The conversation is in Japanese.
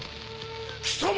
貴様